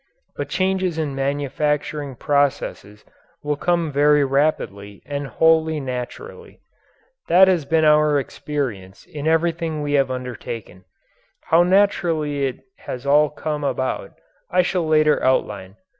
But changes in manufacturing processes will come very rapidly and wholly naturally. That has been our experience in everything we have undertaken. How naturally it has all come about, I shall later outline.